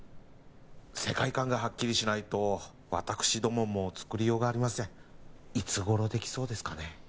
世界観がはっきりしないと私どもも作りようがありませんいつ頃できそうですかね？